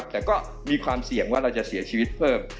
แต่ก็มีความเสี่ยงว่าเราจะเสียชีวิตเพิ่ม